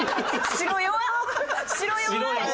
白弱い！